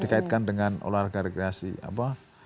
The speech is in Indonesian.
dikaitkan dengan olahraga rekreasi apa